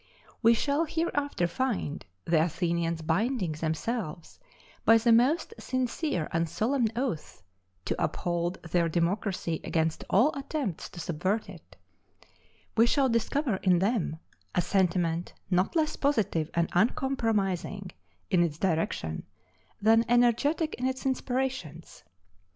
We shall hereafter find the Athenians binding themselves by the most sincere and solemn oaths to uphold their democracy against all attempts to subvert it; we shall discover in them a sentiment not less positive and uncompromising in its direction, than energetic in its inspirations.